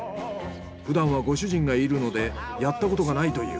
ふだんはご主人が炒るのでやったことがないという。